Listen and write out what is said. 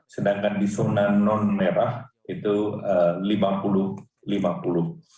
sedangkan di zona non merah itu lima puluh persen